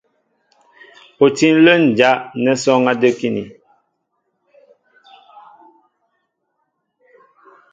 U tí ǹlə́ ǹjá' nɛ́ sɔ́ɔ́ŋ á də́kíní.